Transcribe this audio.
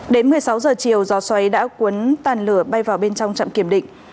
đến một mươi sáu giờ chiều gió xoáy đã cuốn tàn lửa bay vào bên trong trạm kiểm định